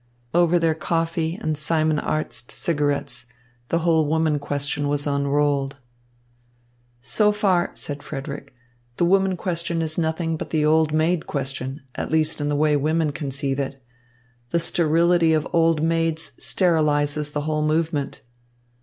Over their coffee and Simon Arzt cigarettes, the whole woman question was unrolled. "So far," said Frederick, "the woman question is nothing but the old maid question, at least in the way women conceive it. The sterility of old maids sterilizes the whole movement."